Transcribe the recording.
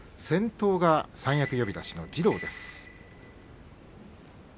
先頭が三役呼出しの次郎です。